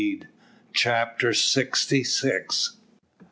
CHAPTER SIXTY SIX.